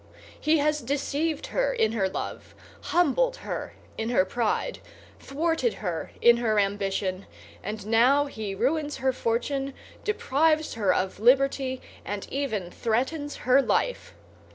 He has deceived her in her love, humbled her in her pride, thwarted her in her ambition; and now he ruins her fortune, deprives her of liberty, and even threatens her life.